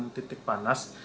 ada titik panas